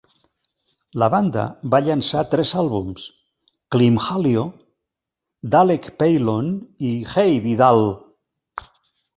La banda va llançar tres àlbums: "Clymhalio", "Dalec Peilon" i "Hei Vidal!".